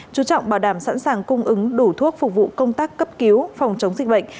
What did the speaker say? chú trọng bảo đảm sẵn sàng cung ứng đủ thuốc phục vụ công tác cấp cứu phòng chống dịch bệnh